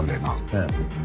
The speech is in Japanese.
ええ。